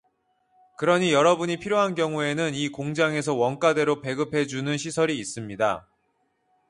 그러니 여러분이 필요한 경우에는 이 공장에서 원가대로 배급 해 주는 시설이 있습니다.